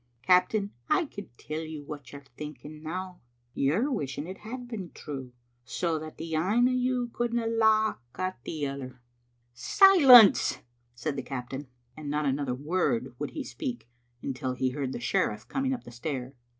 Captain, I could tell you what you're thinking now. You're wishing it had been true, so that the ane o' you couldna lauch at the other. " "Silence!" said the captain, and not another word would he speak iintil he heard the sheriflE coming up the stair.